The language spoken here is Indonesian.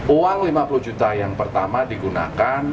uang lima puluh juta yang pertama digunakan